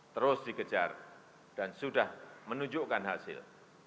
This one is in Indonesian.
terus dikejar dan sudah menunjukkan hasil